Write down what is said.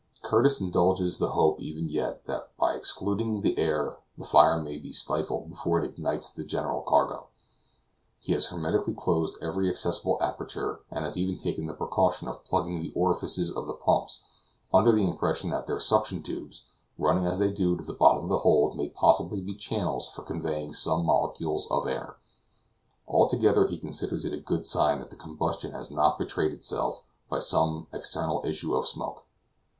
Curtis indulges the hope even yet that by excluding the air the fire may be stifled before it ignites the general cargo; he has hermetically closed every accessible aperture, and has even taken the precaution of plugging the orifices of the pumps, under the impression that their suction tubes, running as they do to the bottom of the hold, may possibly be channels for conveying some molecules of air. Altogether, he considers it a good sign that the combustion has not betrayed itself by some external issue of smoke.